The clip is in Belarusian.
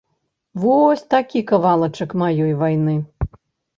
Вось такі кавалачак маёй вайны.